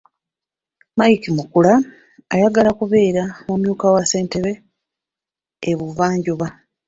Mike Mukula ayagala kubeera mumyuka wa ssentebe e Buvanjuba.